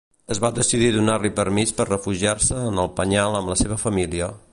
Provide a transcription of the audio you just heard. Es va decidir donar-li permís per refugiar-se en el penyal amb la seva família.